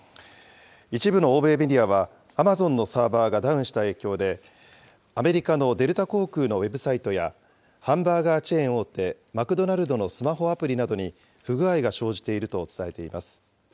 一部の欧米メディアは、アマゾンのサーバーがダウンした影響で、アメリカのデルタ航空のウェブサイトや、ハンバーガーチェーン大手、マクドナルドのスマホアプリなどに不具合が生じていると伝えています。